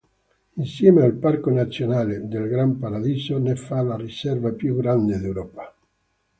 Insieme al Parco nazionale del Gran Paradiso ne fa la riserva più grande d'Europa.